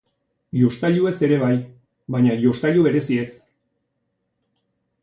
Jostailuez ere bai, baina jostailu bereziez.